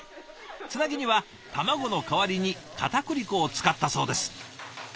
つなぎには卵の代わりにかたくり粉を使ったそうです。